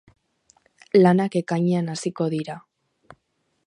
Lanak ekainean hasiko dira.